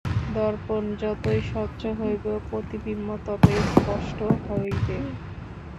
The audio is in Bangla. দর্পণ যতই স্বচ্ছ হইবে, প্রতিবিম্ব ততই স্পষ্ট হইবে।